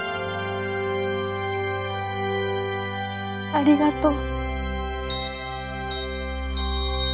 ありがとう。